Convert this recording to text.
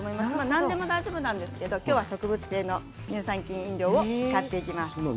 何でも大丈夫なんですけれども今日は植物性の乳酸菌飲料を使っていきます。